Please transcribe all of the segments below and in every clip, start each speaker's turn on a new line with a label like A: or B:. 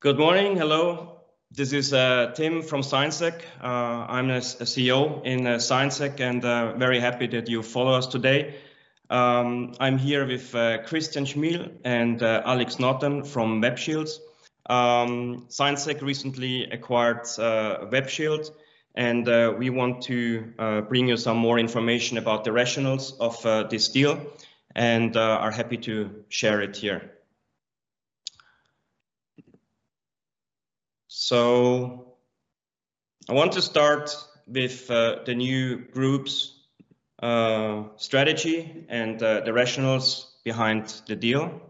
A: Good morning. Hello. This is Timm from ZignSec. I'm a CEO in ZignSec and very happy that you follow us today. I'm here with Christian Chmiel and Alex Noton from Web Shield. ZignSec recently acquired Web Shield, and we want to bring you some more information about the rationals of this deal and are happy to share it here. I want to start with the new group's strategy and the rationals behind the deal.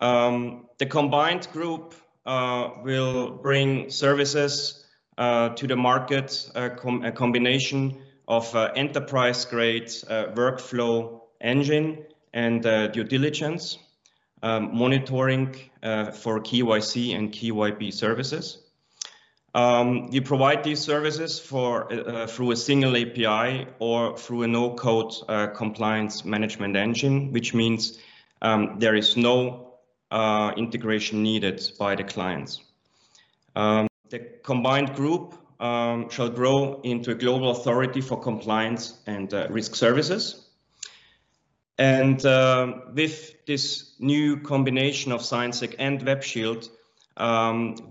A: The combined group will bring services to the market, a combination of enterprise-grade workflow engine and due diligence, monitoring for KYC and KYB services. We provide these services through a single API or through a no-code compliance management engine, which means there is no integration needed by the clients. The combined group shall grow into a global authority for compliance and risk services. With this new combination of ZignSec and Web Shield,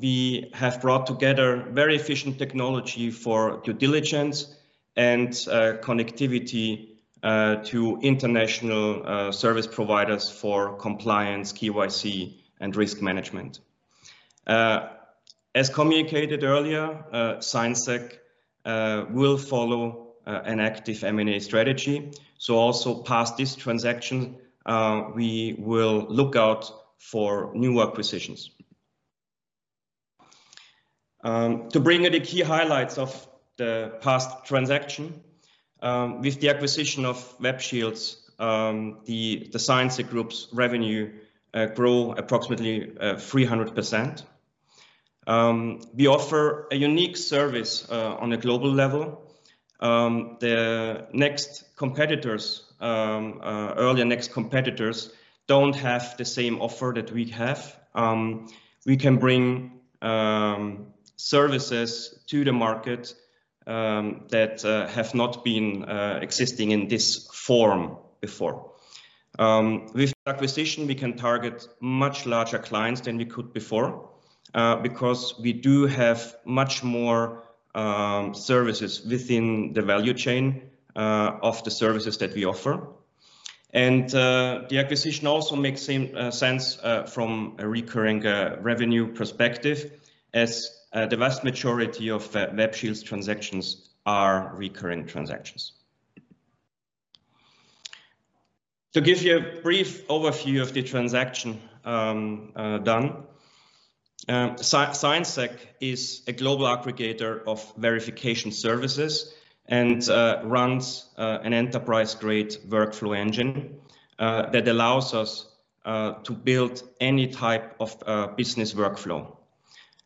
A: we have brought together very efficient technology for due diligence and connectivity to international service providers for compliance, KYC, and risk management. As communicated earlier, ZignSec will follow an active M&A strategy. Also past this transaction, we will look out for new acquisitions. To bring you the key highlights of the past transaction. With the acquisition of Web Shield, the ZignSec Group's revenue grow approximately 300%. We offer a unique service on a global level. The earlier next competitors don't have the same offer that we have. We can bring services to the market that have not been existing in this form before. With the acquisition, we can target much larger clients than we could before, because we do have much more services within the value chain of the services that we offer. The acquisition also makes sense from a recurring revenue perspective as the vast majority of Web Shield's transactions are recurring transactions. To give you a brief overview of the transaction done. ZignSec is a global aggregator of verification services and runs an enterprise-grade workflow engine that allows us to build any type of business workflow.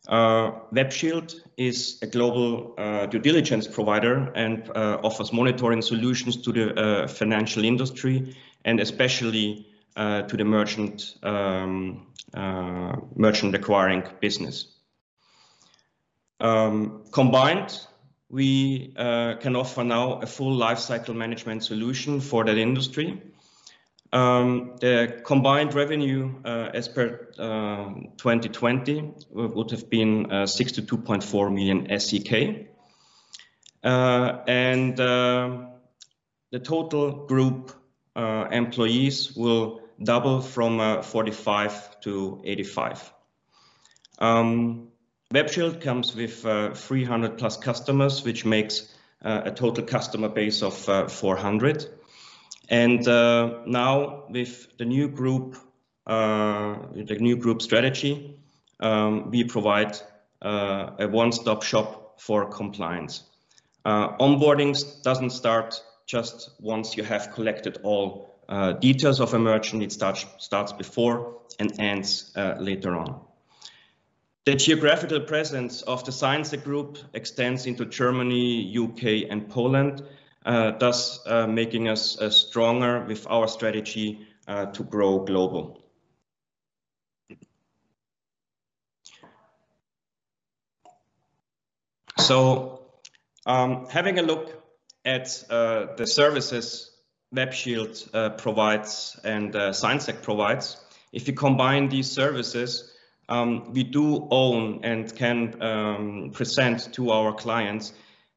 A: Web Shield is a global due diligence provider and offers monitoring solutions to the financial industry and especially to the merchant acquiring business. Combined, we can offer now a full lifecycle management solution for that industry. Combined revenue as per 2020 would have been 62.4 million SEK, and the total group employees will double from 45-85. Web Shield comes with 300+ customers, which makes a total customer base of 400. Now with the new group strategy, we provide a one-stop shop for compliance. Onboarding doesn't start just once you have collected all details of a merchant. It starts before and ends later on. The geographical presence of the ZignSec group extends into Germany, U.K., and Poland, thus making us stronger with our strategy to grow global. Having a look at the services Web Shield provides and ZignSec provides, if you combine these services, we do own and can present to our clients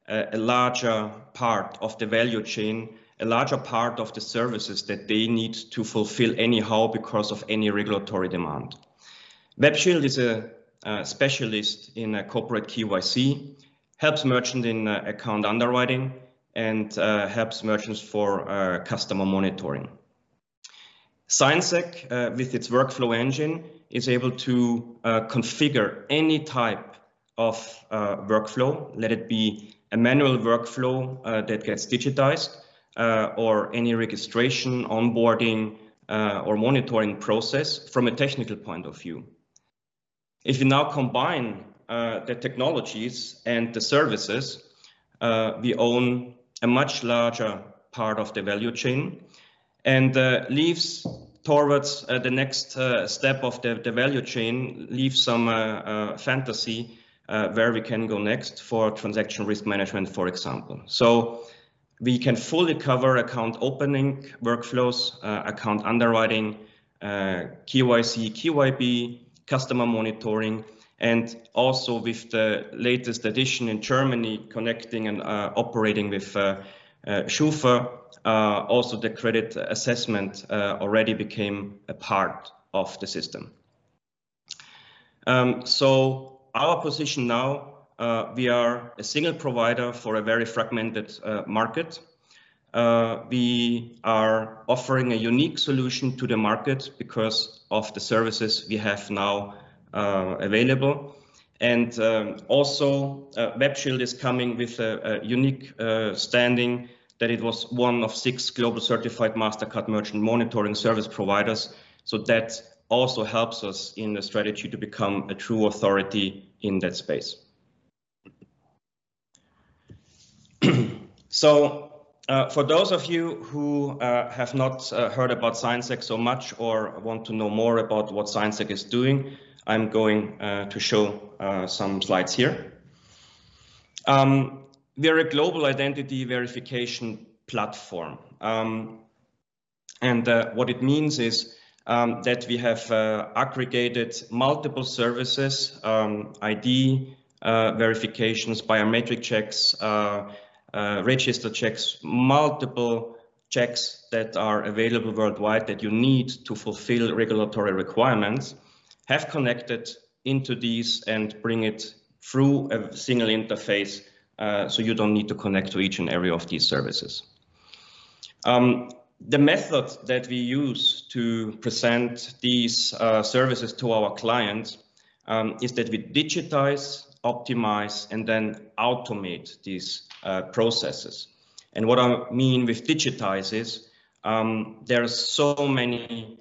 A: a larger part of the value chain, a larger part of the services that they need to fulfill anyhow because of any regulatory demand. Web Shield is a specialist in corporate KYC, helps merchant in account underwriting, and helps merchants for customer monitoring. ZignSec, with its workflow engine, is able to configure any type of workflow, let it be a manual workflow that gets digitized or any registration, onboarding, or monitoring process from a technical point of view. If you now combine the technologies and the services, we own a much larger part of the value chain. Leaves towards the next step of the value chain, leaves some fantasy where we can go next for transaction risk management, for example. We can fully cover account opening workflows, account underwriting, KYC, KYB, customer monitoring, and also with the latest edition in Germany, connecting and operating with SCHUFA, also the credit assessment already became a part of the system. Our position now, we are a single provider for a very fragmented market. We are offering a unique solution to the market because of the services we have now available. Also, Web Shield is coming with a unique standing that it was one of six global certified Mastercard merchant monitoring service providers. That also helps us in the strategy to become a true authority in that space. For those of you who have not heard about ZignSec so much or want to know more about what ZignSec is doing, I'm going to show some slides here. We're a global identity verification platform. What it means is that we have aggregated multiple services, ID verifications, biometric checks, register checks, multiple checks that are available worldwide that you need to fulfill regulatory requirements, have connected into these and bring it through a single interface, so you don't need to connect to each and every of these services. The method that we use to present these services to our clients is that we digitize, optimize, and then automate these processes. What I mean with digitize is there are so many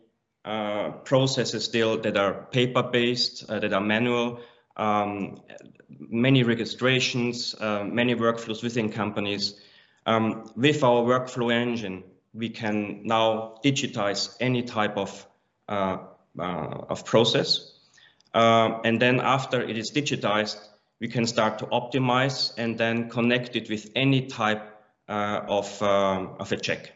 A: processes still that are paper-based, that are manual, many registrations, many workflows within companies. With our workflow engine, we can now digitize any type of process. After it is digitized, we can start to optimize and then connect it with any type of a check.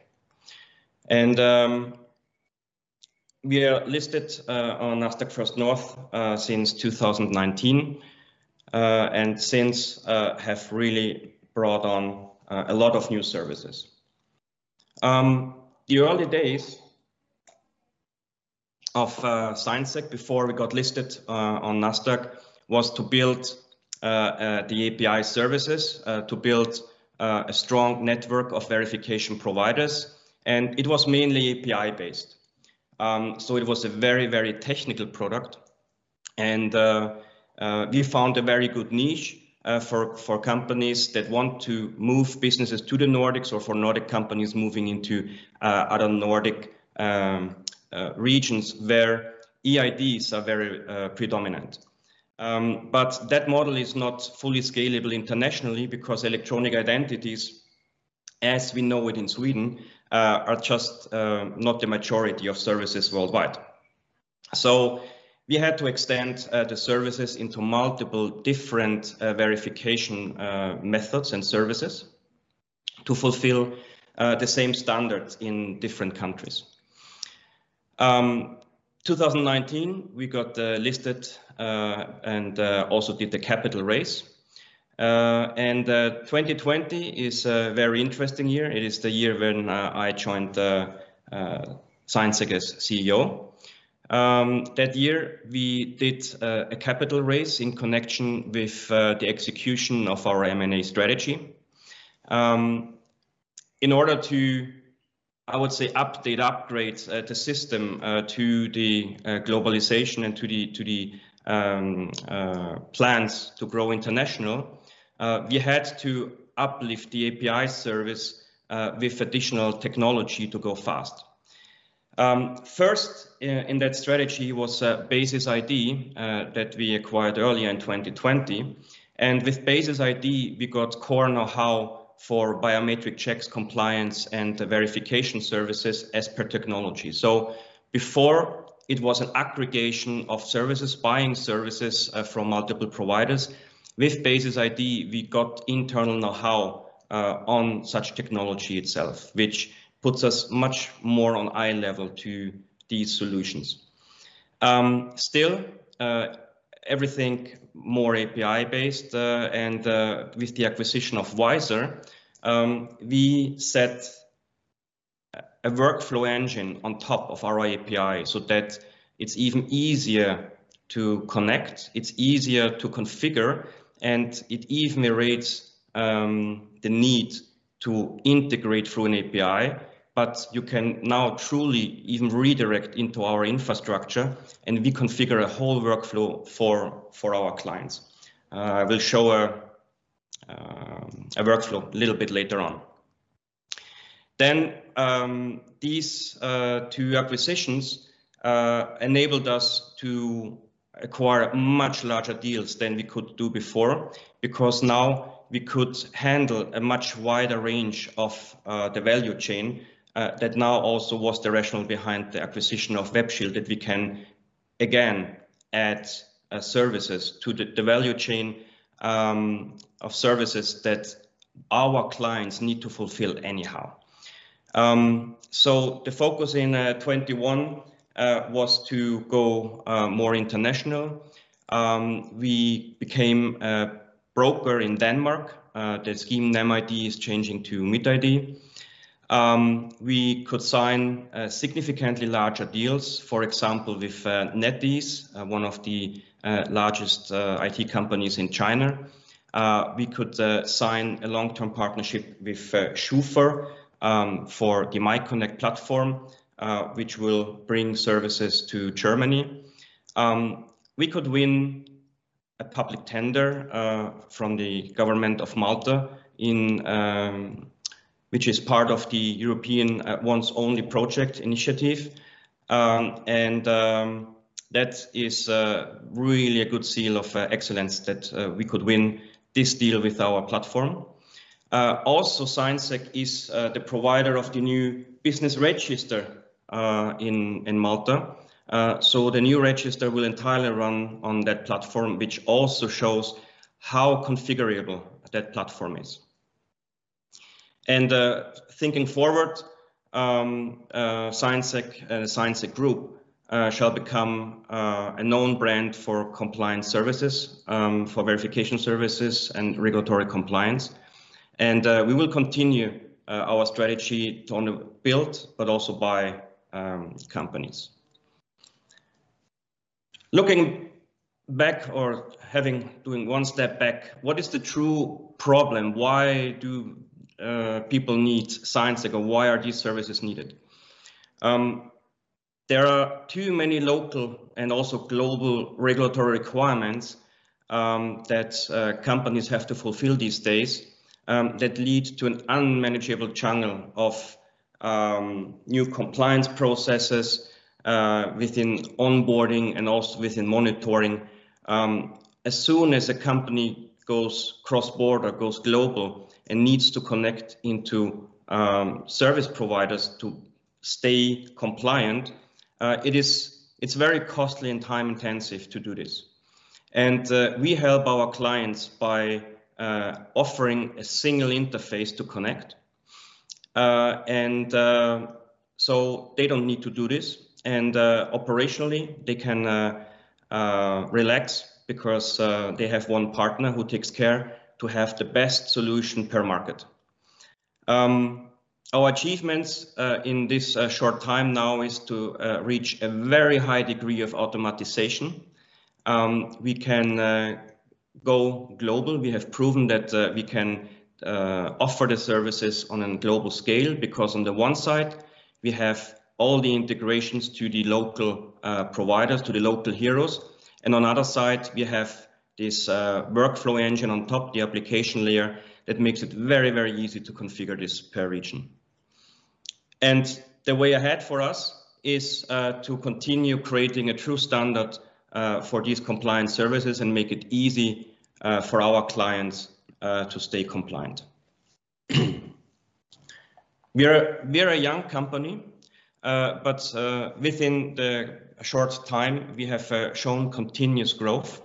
A: We are listed on Nasdaq First North since 2019, and since have really brought on a lot of new services. The early days of ZignSec before we got listed on Nasdaq was to build the API services, to build a strong network of verification providers, and it was mainly API-based. It was a very technical product, and we found a very good niche for companies that want to move businesses to the Nordics or for Nordic companies moving into other Nordic regions where eIDs are very predominant. That model is not fully scalable internationally because electronic identities, as we know it in Sweden, are just not the majority of services worldwide. We had to extend the services into multiple different verification methods and services to fulfill the same standards in different countries. 2019, we got listed and also did the capital raise. 2020 is a very interesting year. It is the year when I joined ZignSec as CEO. That year, we did a capital raise in connection with the execution of our M&A strategy. In order to, I would say, update, upgrade the system to the globalization and to the plans to grow international, we had to uplift the API service with additional technology to go fast. First in that strategy was a Basis ID that we acquired early in 2020. With Basis ID, we got core knowhow for biometric checks, compliance, and verification services as per technology. Before it was an aggregation of services, buying services from multiple providers. With Basis ID, we got internal knowhow on such technology itself, which puts us much more on eye level to these solutions. Everything more API-based, and with the acquisition of Wyzer, we set a workflow engine on top of our API so that it's even easier to connect, it's easier to configure, and it even erodes the need to integrate through an API, but you can now truly even redirect into our infrastructure and reconfigure a whole workflow for our clients. I will show a workflow a little bit later on. These two acquisitions enabled us to acquire much larger deals than we could do before, because now we could handle a much wider range of the value chain. Now also was the rationale behind the acquisition of Web Shield, that we can again add services to the value chain of services that our clients need to fulfill anyhow. The focus in 2021 was to go more international. We became a broker in Denmark. The scheme NemID is changing to MitID. We could sign significantly larger deals, for example, with NetEase, one of the largest IT companies in China. We could sign a long-term partnership with SCHUFA for the MyConnect platform, which will bring services to Germany. We could win a public tender from the government of Malta, which is part of the European Once Only project initiative. That is really a good seal of excellence that we could win this deal with our platform. Also, ZignSec is the provider of the new business register in Malta. The new register will entirely run on that platform, which also shows how configurable that platform is. Thinking forward, ZignSec Group shall become a known brand for compliance services, for verification services and regulatory compliance. We will continue our strategy to not only build but also buy companies. Looking back or doing one step back, what is the true problem? Why do people need ZignSec? Why are these services needed? There are too many local and also global regulatory requirements that companies have to fulfill these days, that leads to an unmanageable channel of new compliance processes within onboarding and also within monitoring. As soon as a company goes cross-border, goes global, and needs to connect into service providers to stay compliant, it is very costly and time-intensive to do this. We help our clients by offering a single interface to connect. So they don't need to do this. Operationally they can relax because they have one partner who takes care to have the best solution per market. Our achievements in this short time now is to reach a very high degree of automatization. We can go global. We have proven that we can offer the services on a global scale because on the one side, we have all the integrations to the local providers, to the local heroes. On the other side, we have this workflow engine on top, the application layer that makes it very easy to configure this per region. The way ahead for us is to continue creating a true standard for these compliance services and make it easy for our clients to stay compliant. We are a young company, but within the short time we have shown continuous growth.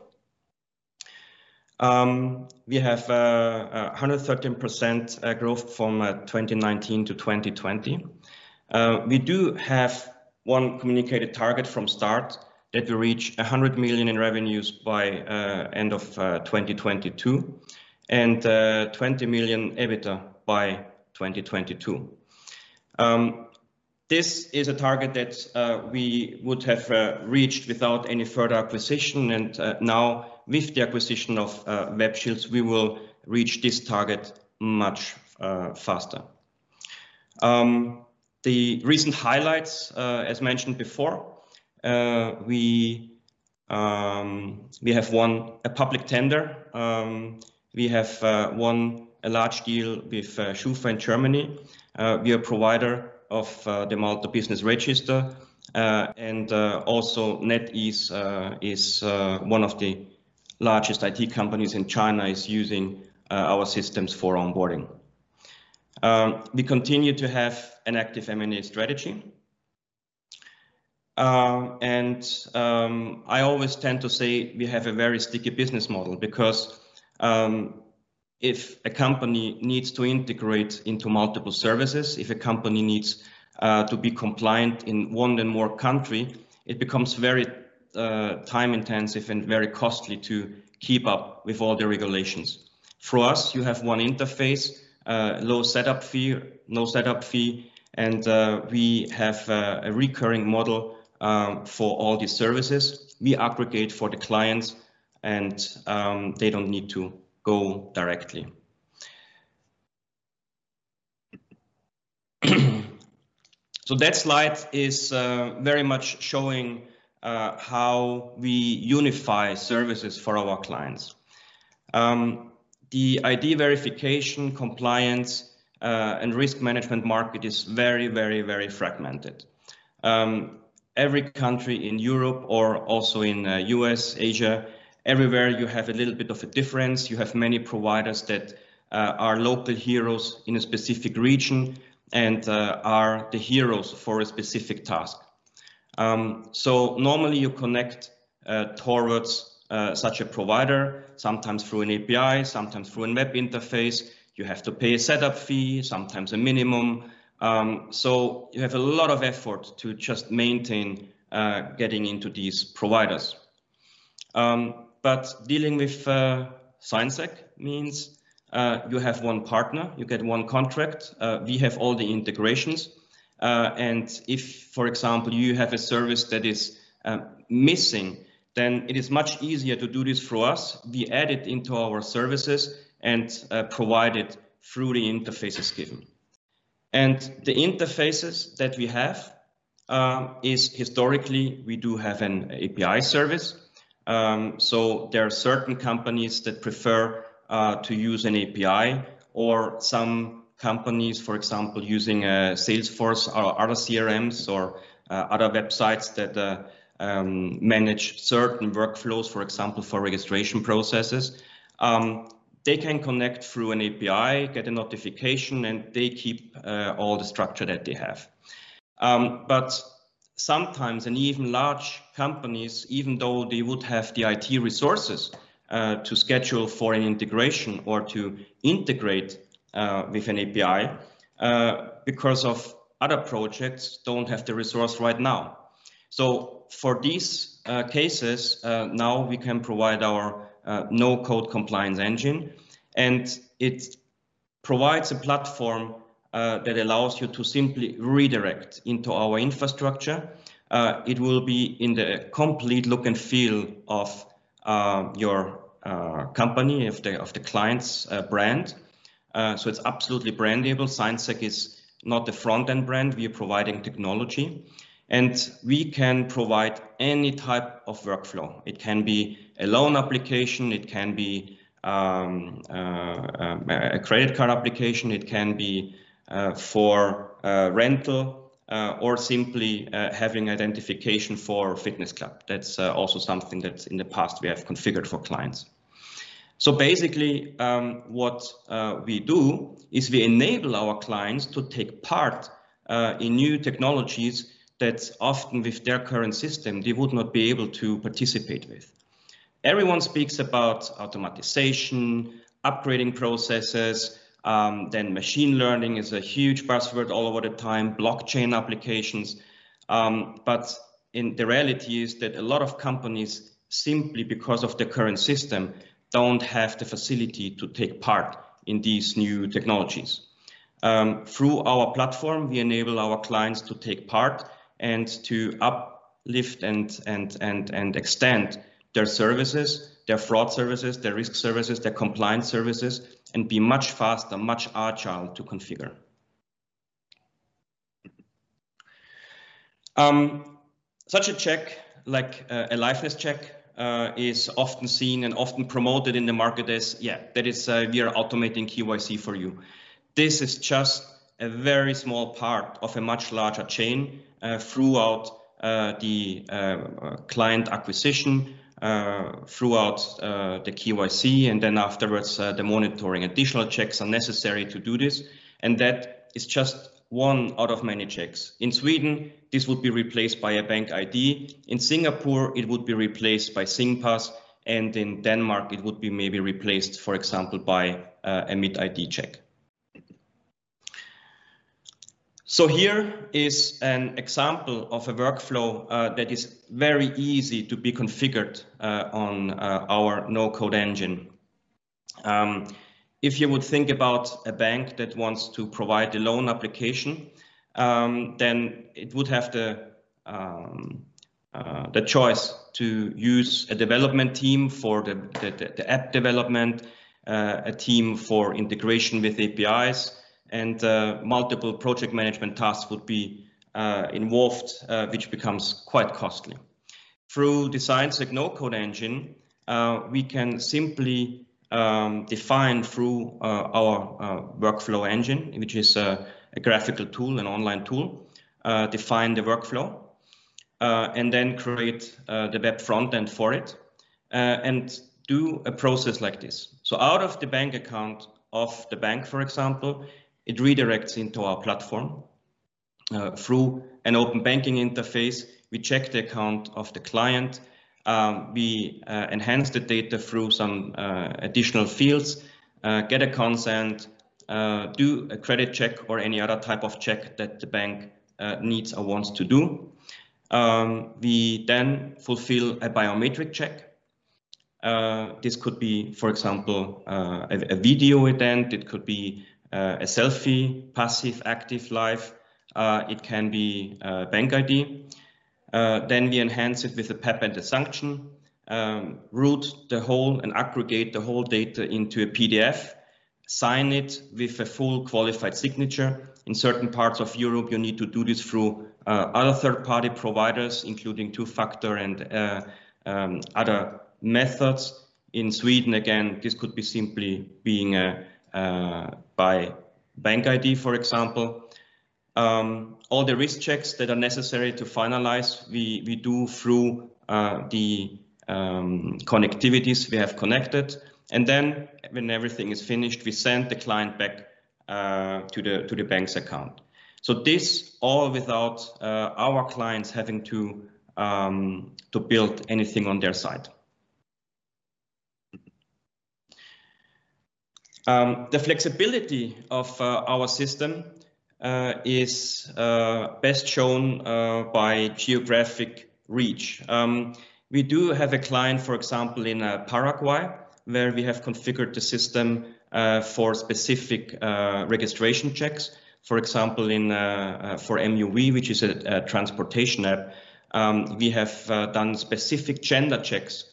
A: We have 113% growth from 2019 to 2020. We do have one communicated target from start that we reach 100 million in revenues by end of 2022 and 20 million EBITDA by 2022. This is a target that we would have reached without any further acquisition, and now with the acquisition of Web Shield, we will reach this target much faster. The recent highlights, as mentioned before, we have won a public tender. We have won a large deal with SCHUFA in Germany. We are provider of the Malta business register. NetEase is one of the largest IT companies in China, is using our systems for onboarding. We continue to have an active M&A strategy. I always tend to say we have a very sticky business model because if a company needs to integrate into multiple services, if a company needs to be compliant in one and more country, it becomes very time-intensive and very costly to keep up with all the regulations. Through us, you have one interface, low setup fee, and we have a recurring model for all the services. We aggregate for the clients, they don't need to go directly. That slide is very much showing how we unify services for our clients. The ID verification, compliance, and risk management market is very fragmented. Every country in Europe or also in U.S., Asia, everywhere you have a little bit of a difference. You have many providers that are local heroes in a specific region and are the heroes for a specific task. Normally you connect towards such a provider, sometimes through an API, sometimes through a web interface. You have to pay a setup fee, sometimes a minimum. You have a lot of effort to just maintain getting into these providers. Dealing with ZignSec means you have one partner, you get one contract, we have all the integrations. If, for example, you have a service that is missing, then it is much easier to do this through us. We add it into our services and provide it through the interfaces given. The interfaces that we have is historically we do have an API service. There are certain companies that prefer to use an API or some companies, for example, using a Salesforce or other CRMs or other websites that manage certain workflows, for example, for registration processes. They can connect through an API, get a notification, and they keep all the structure that they have. Sometimes, and even large companies, even though they would have the IT resources to schedule for an integration or to integrate with an API, because of other projects, don't have the resource right now. For these cases, now we can provide our no-code compliance engine, and it provides a platform that allows you to simply redirect into our infrastructure. It will be in the complete look and feel of your company, of the client's brand. It's absolutely brandable. ZignSec is not the front-end brand. We are providing technology, and we can provide any type of workflow. It can be a loan application, it can be a credit card application, it can be for rental or simply having identification for a fitness club. That's also something that in the past we have configured for clients. Basically, what we do is we enable our clients to take part in new technologies that often with their current system, they would not be able to participate with. Everyone speaks about automation, upgrading processes, machine learning is a huge buzzword all over the time, blockchain applications. The reality is that a lot of companies, simply because of their current system, don't have the facility to take part in these new technologies. Through our platform, we enable our clients to take part and to uplift and extend their services, their fraud services, their risk services, their compliance services, and be much faster, much agile to configure. Such a check, like a liveness check, is often seen and often promoted in the market as, yeah, that is we are automating KYC for you. This is just a very small part of a much larger chain throughout the client acquisition, throughout the KYC, and then afterwards, the monitoring. Additional checks are necessary to do this, and that is just one out of many checks. In Sweden, this would be replaced by a BankID. In Singapore, it would be replaced by Singpass, and in Denmark, it would be maybe replaced, for example, by a MitID check. Here is an example of a workflow that is very easy to be configured on our no-code engine. If you would think about a bank that wants to provide a loan application, then it would have the choice to use a development team for the app development, a team for integration with APIs, and multiple project management tasks would be involved, which becomes quite costly. Through the ZignSec no-code engine, we can simply define through our workflow engine, which is a graphical tool, an online tool, define the workflow, and then create the web front-end for it, and do a process like this. Out of the bank account of the bank, for example, it redirects into our platform. Through an open banking interface, we check the account of the client, we enhance the data through some additional fields, get a consent, do a credit check or any other type of check that the bank needs or wants to do. We then fulfill a biometric check. This could be, for example, a video with them, it could be a selfie, passive, active live. It can be BankID. We enhance it with a PEP and AML sanction, route the whole and aggregate the whole data into a PDF. Sign it with a full qualified signature. In certain parts of Europe, you need to do this through other third-party providers, including two-factor and other methods. In Sweden, again, this could simply be by BankID, for example. All the risk checks that are necessary to finalize, we do through the connectivities we have connected. When everything is finished, we send the client back to the bank's account. This all without our clients having to build anything on their side. The flexibility of our system is best shown by geographic reach. We do have a client, for example, in Paraguay, where we have configured the system for specific registration checks. For example, for MUV, which is a transportation app, we have done specific gender checks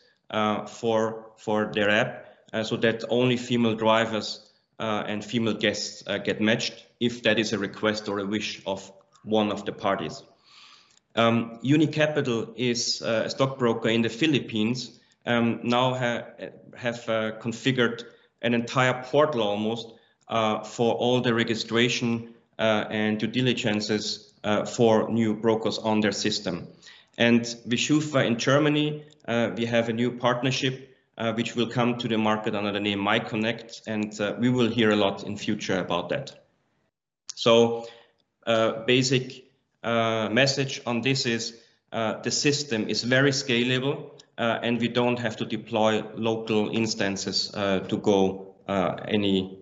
A: for their app so that only female drivers and female guests get matched if that is a request or a wish of one of the parties. Unicapital is a stockbroker in the Philippines, now have configured an entire portal almost for all the registration and due diligences for new brokers on their system. With SCHUFA in Germany, we have a new partnership, which will come to the market under the name MyConnect. We will hear a lot in future about that. Basic message on this is the system is very scalable, and we don't have to deploy local instances to go anywhere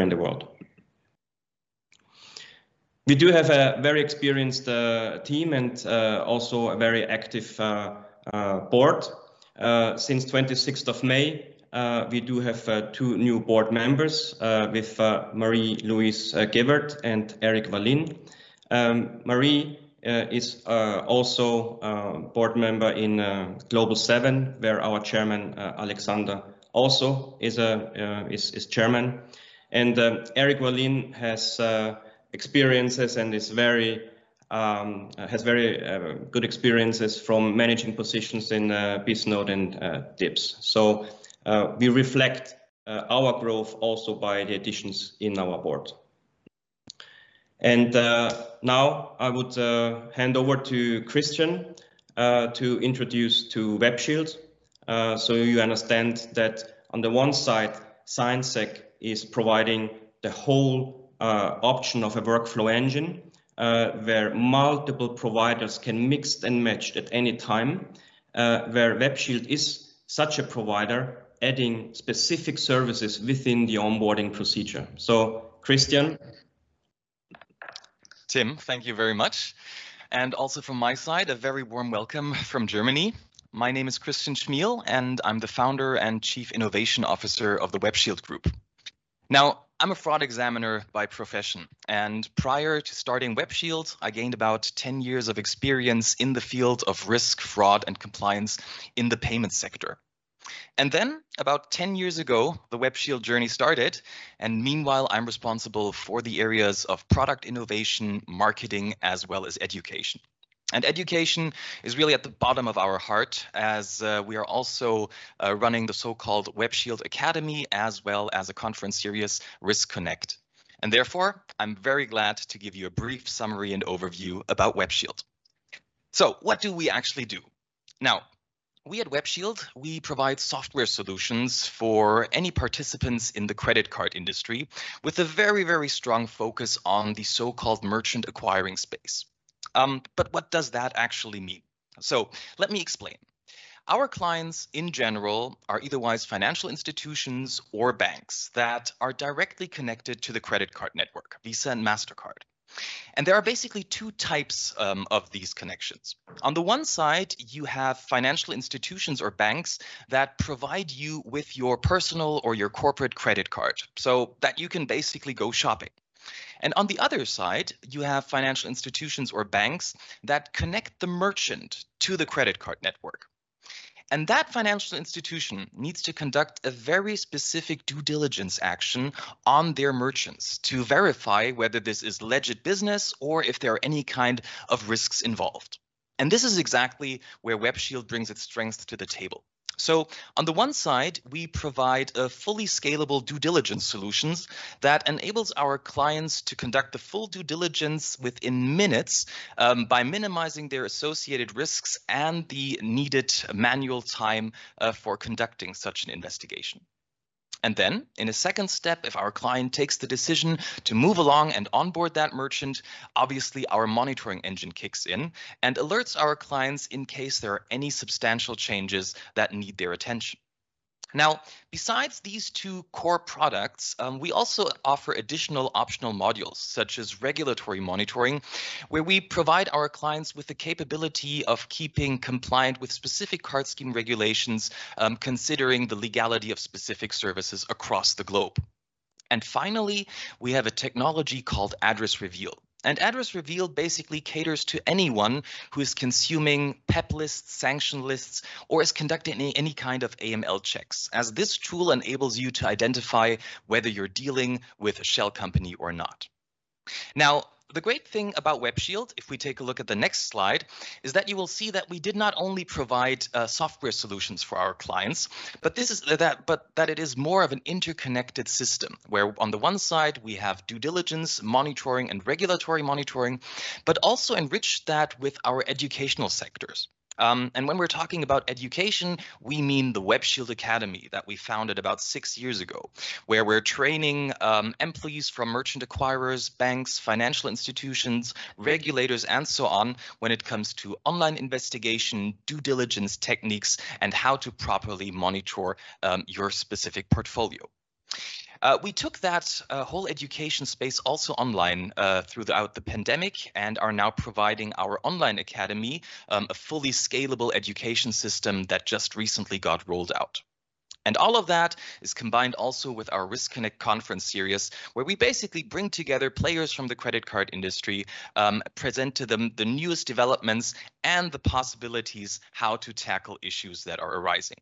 A: in the world. We do have a very experienced team and also a very active board. Since 26th of May, we do have two new board members with Marie-Louise Gefwert and Eric Wallin. Marie is also a board member in Global 7, where our chairman, Alexander, also is chairman. Eric Wallin has very good experiences from managing positions in Bisnode and DIBS. We reflect our growth also by the additions in our board. Now I would hand over to Christian to introduce to Web Shield. You understand that on the one side, ZignSec is providing the whole option of a workflow engine, where multiple providers can mix and match at any time, where Web Shield is such a provider, adding specific services within the onboarding procedure. Christian.
B: Timm, thank you very much. Also from my side, a very warm welcome from Germany. My name is Christian Chmiel, and I'm the Founder and Chief Innovation Officer of the Web Shield Group. Now, I'm a fraud examiner by profession, and prior to starting Web Shield, I gained about 10 years of experience in the field of risk, fraud, and compliance in the payment sector. Then, about 10 years ago, the Web Shield journey started, meanwhile, I'm responsible for the areas of product innovation, marketing, as well as education. Education is really at the bottom of our heart, as we are also running the so-called Web Shield Academy, as well as a conference series, RiskConnect. Therefore, I'm very glad to give you a brief summary and overview about Web Shield. What do we actually do? Now, we at Web Shield, we provide software solutions for any participants in the credit card industry with a very strong focus on the so-called merchant acquiring space. What does that actually mean? Let me explain. Our clients, in general, are either financial institutions or banks that are directly connected to the credit card network, Visa and Mastercard. There are basically two types of these connections. On the one side, you have financial institutions or banks that provide you with your personal or your corporate credit card, so that you can basically go shopping. On the other side, you have financial institutions or banks that connect the merchant to the credit card network. That financial institution needs to conduct a very specific due diligence action on their merchants to verify whether this is legit business or if there are any kind of risks involved. This is exactly where Web Shield brings its strength to the table. On the one side, we provide a fully scalable due diligence solutions that enables our clients to conduct a full due diligence within minutes by minimizing their associated risks and the needed manual time for conducting such an investigation. Then in a second step, if our client takes the decision to move along and onboard that merchant, obviously, our monitoring engine kicks in and alerts our clients in case there are any substantial changes that need their attention. Besides these two core products, we also offer additional optional modules, such as regulatory monitoring, where we provide our clients with the capability of keeping compliant with specific card scheme regulations, considering the legality of specific services across the globe. Finally, we have a technology called Address Reveal. Address Reveal basically caters to anyone who is consuming PEP lists, sanction lists, or is conducting any kind of AML checks, as this tool enables you to identify whether you're dealing with a shell company or not. The great thing about Web Shield, if we take a look at the next slide, is that you will see that we did not only provide software solutions for our clients, but that it is more of an interconnected system, where on the one side, we have due diligence monitoring and regulatory monitoring, but also enrich that with our educational sectors. When we're talking about education, we mean the Web Shield Academy that we founded about six years ago, where we're training employees from merchant acquirers, banks, financial institutions, regulators, and so on when it comes to online investigation, due diligence techniques, and how to properly monitor your specific portfolio. We took that whole education space also online throughout the pandemic and are now providing our Web Shield Academy, a fully scalable education system that just recently got rolled out. All of that is combined also with our RiskConnect conference series, where we basically bring together players from the credit card industry, present to them the newest developments, and the possibilities how to tackle issues that are arising.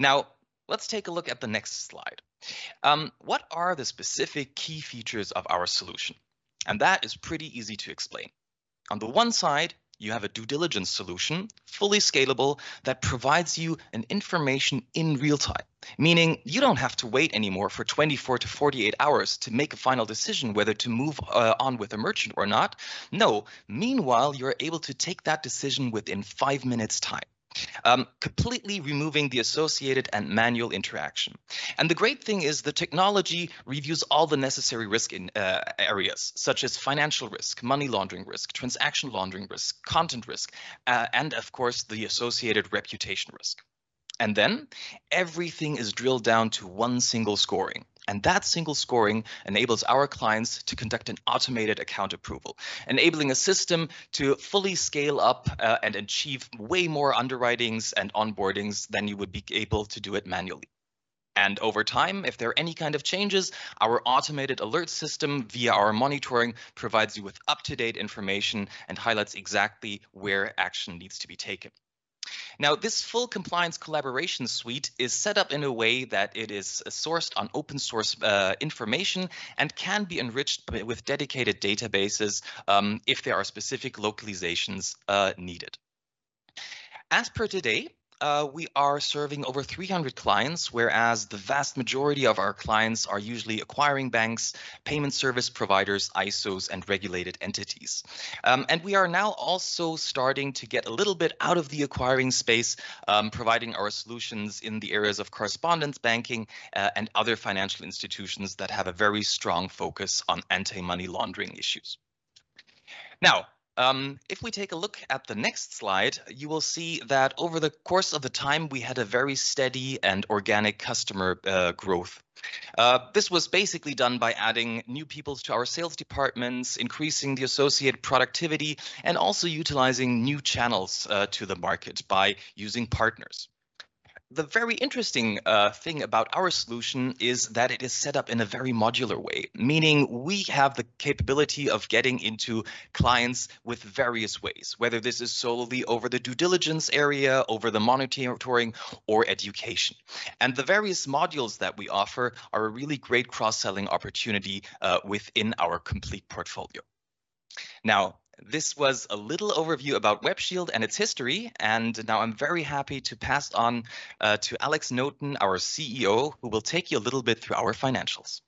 B: Now, let's take a look at the next slide. What are the specific key features of our solution? That is pretty easy to explain. On the one side, you have a due diligence solution, fully scalable, that provides you an information in real time, meaning you don't have to wait anymore for 24-48 hours to make a final decision whether to move on with a merchant or not. No. Meanwhile, you're able to take that decision within five minutes time, completely removing the associated and manual interaction. The great thing is the technology reviews all the necessary risk areas, such as financial risk, money laundering risk, transaction laundering risk, content risk, and of course, the associated reputation risk. Everything is drilled down to one single scoring, and that single scoring enables our clients to conduct an automated account approval, enabling a system to fully scale up and achieve way more underwritings and onboardings than you would be able to do it manually. Over time, if there are any kind of changes, our automated alert system via our monitoring provides you with up-to-date information and highlights exactly where action needs to be taken. This full compliance collaboration suite is set up in a way that it is sourced on open source information and can be enriched with dedicated databases if there are specific localizations needed. As per today, we are serving over 300 clients, whereas the vast majority of our clients are usually acquiring banks, payment service providers, ISOs, and regulated entities. We are now also starting to get a little bit out of the acquiring space, providing our solutions in the areas of correspondent banking and other financial institutions that have a very strong focus on anti-money laundering issues. If we take a look at the next slide, you will see that over the course of the time, we had a very steady and organic customer growth. This was basically done by adding new people to our sales departments, increasing the associated productivity, and also utilizing new channels to the market by using partners. The very interesting thing about our solution is that it is set up in a very modular way, meaning we have the capability of getting into clients with various ways, whether this is solely over the due diligence area, over the monitoring, or education. The various modules that we offer are a really great cross-selling opportunity within our complete portfolio. Now, this was a little overview about Web Shield and its history, and now I'm very happy to pass on to Alex Noton, our CEO, who will take you a little bit through our financials.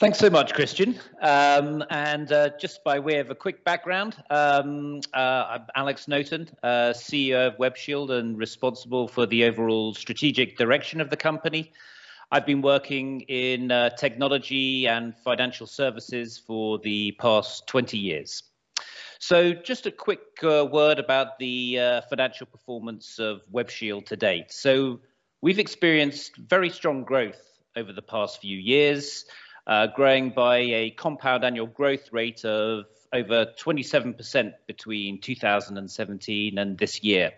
C: Thanks so much, Christian. Just by way of a quick background, I'm Alex Noton, CEO of Web Shield and responsible for the overall strategic direction of the company. I've been working in technology and financial services for the past 20 years. Just a quick word about the financial performance of Web Shield to date. We've experienced very strong growth over the past few years, growing by a compound annual growth rate of over 27% between 2017 and this year.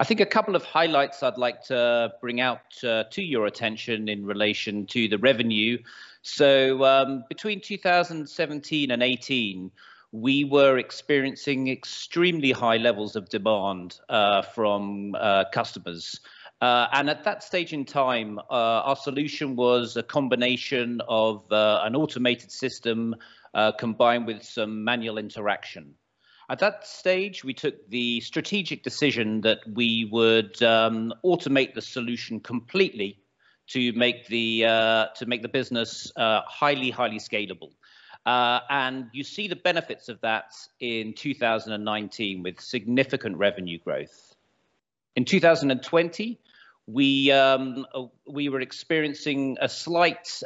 C: I think a couple of highlights I'd like to bring out to your attention in relation to the revenue. Between 2017 and 2018, we were experiencing extremely high levels of demand from customers. At that stage in time, our solution was a combination of an automated system, combined with some manual interaction. At that stage, we took the strategic decision that we would automate the solution completely to make the business highly scalable. You see the benefits of that in 2019 with significant revenue growth. In 2020, we were experiencing a slight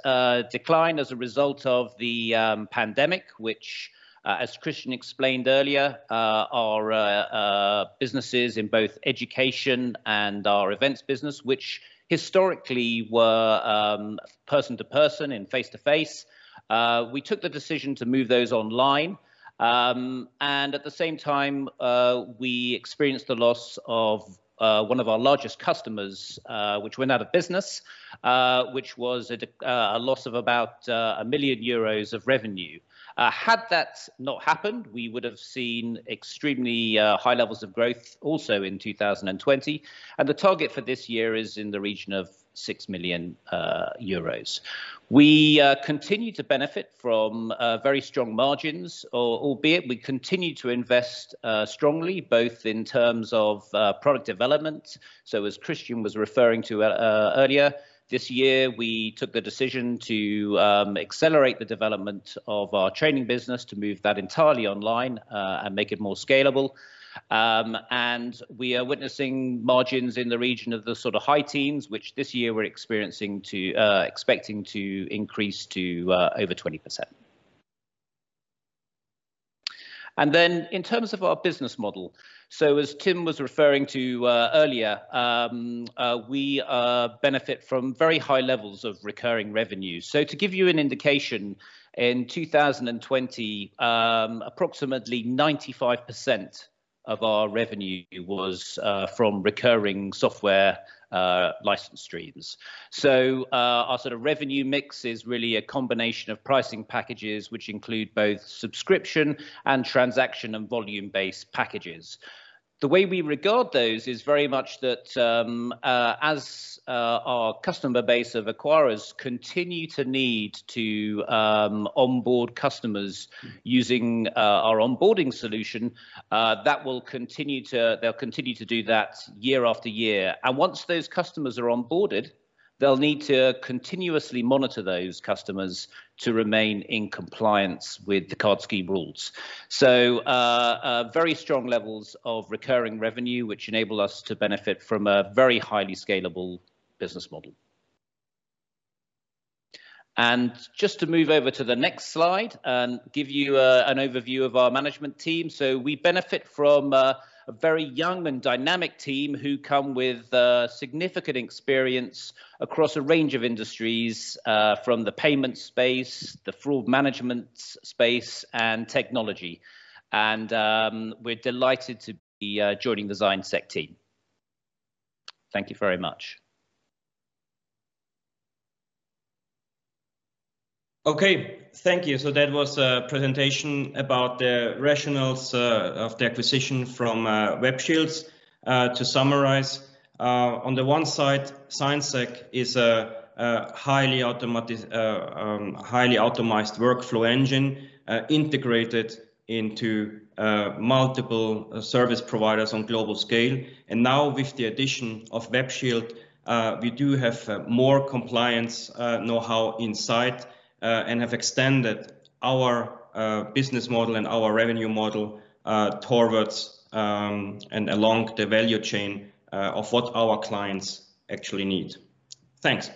C: decline as a result of the pandemic, which, as Christian explained earlier, our businesses in both education and our events business, which historically were person to person and face to face. We took the decision to move those online. At the same time, we experienced the loss of one of our largest customers, which went out of business, which was a loss of about 1 million euros of revenue. Had that not happened, we would've seen extremely high levels of growth also in 2020. The target for this year is in the region of 6 million euros. We continue to benefit from very strong margins, albeit we continue to invest strongly, both in terms of product development. As Christian was referring to earlier, this year, we took the decision to accelerate the development of our training business to move that entirely online and make it more scalable. We are witnessing margins in the region of the high teens, which this year we're expecting to increase to over 20%. In terms of our business model, as Timm was referring to earlier, we benefit from very high levels of recurring revenue. To give you an indication, in 2020, approximately 95% of our revenue was from recurring software license streams. Our revenue mix is really a combination of pricing packages, which include both subscription and transaction and volume-based packages. The way we regard those is very much that as our customer base of acquirers continue to need to onboard customers using our onboarding solution, they'll continue to do that year after year. Once those customers are onboarded, they'll need to continuously monitor those customers to remain in compliance with the card scheme rules. Very strong levels of recurring revenue, which enable us to benefit from a very highly scalable business model. Just to move over to the next slide and give you an overview of our management team. We benefit from a very young and dynamic team who come with significant experience across a range of industries, from the payment space, the fraud management space, and technology. We're delighted to be joining the ZignSec team. Thank you very much.
A: Okay. Thank you. That was a presentation about the rationales of the acquisition from Web Shield. To summarize, on the one side, ZignSec is a highly automated workflow engine integrated into multiple service providers on global scale. Now with the addition of Web Shield, we do have more compliance knowhow inside and have extended our business model and our revenue model towards and along the value chain of what our clients actually need. Thanks.